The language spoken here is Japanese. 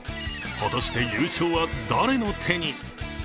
果たして、優勝は誰の手に？